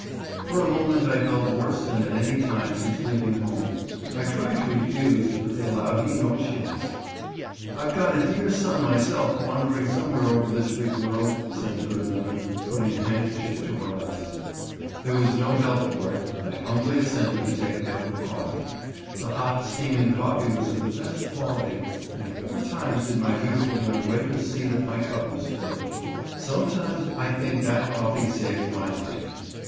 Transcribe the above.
For a moment I felt worse than at any time since leaving home. I tried to refuse, but they allowed me no chance. "I've got a dear son myself wandering somewhere over this big world," said the good woman, putting a handkerchief to her eyes. [Illustration: "Come and have some breakfast," she said in a low voice, "it's all ready and the coffee's hot."] There was no help for it, and I humbly assented to take a cup of coffee. The hot, steaming coffee was of the best quality, and four times did my beautiful young waitress see that my cup was filled. Sometimes I think that coffee saved my life.